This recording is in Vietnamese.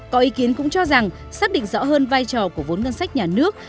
có ý kiến cũng cho rằng xác định rõ hơn vai trò của vốn ngân sách nhà nước